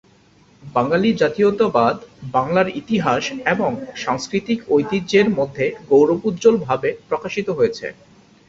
বাঙালি জাতীয়তাবাদ বাংলার ইতিহাস এবং সাংস্কৃতিক ঐতিহ্যের মধ্যে গৌরবোজ্জ্বল ভাবে প্রকাশিত হয়েছে।